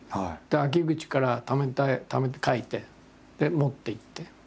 秋口からためて描いて。で持っていって。